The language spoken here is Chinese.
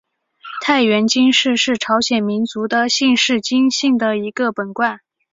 太原金氏是朝鲜民族的姓氏金姓的一个本贯。